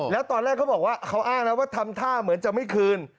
แล้วตอนแรกเขาบอกว่าเขาอ้างนะว่าทำท่าเหมือนจะไม่คืน